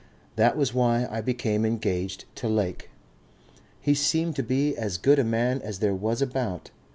That was why I became engaged to Lake. He seemed to be as good a man as there was about.